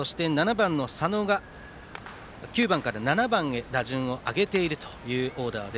佐野が、９番から７番へ打順を上げているというオーダー。